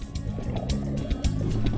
penyu sendiri masuk dalam kondisi penyut